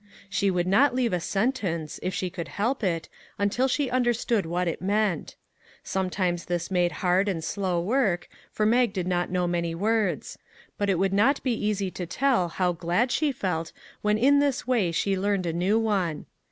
She would not leave a sentence, if she could help it, until she understood what it meant. Sometimes this made hard and slow work, for Mag did not know many words; but it would not be easy to tell how glad she felt when in this way she learned a new one.